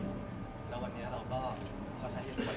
แล้ววันนี้เราก็ใช้เหตุผลเนี่ยเราก็เชื่อว่าจะท่าผ่านอย่างเวลา